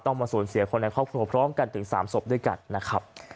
เพราะส่วนเสียคนในครอบครัวพร้อมกันถึงสามสบด้วยกันนะครับ